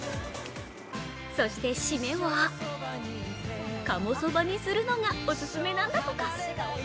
そしてシメは鴨そばにするのがおすすめなんだとか。